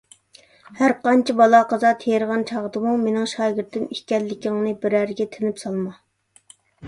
ھەرقانچە بالا - قازا تېرىغان چاغدىمۇ، مېنىڭ شاگىرتىم ئىكەنلىكىڭنى بىرەرىگە تىنىپ سالما.